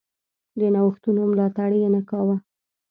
د نوښتونو ملاتړ یې نه کاوه.